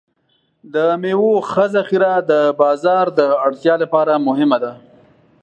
د میوو ښه ذخیره د بازار د اړتیا لپاره مهمه ده.